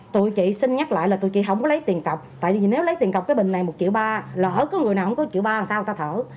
tụi chị xin nhắc lại là tụi chị không có lấy tiền cọc tại vì nếu lấy tiền cọc cái bình này một triệu ba lỡ có người nào không có một triệu ba làm sao người ta thở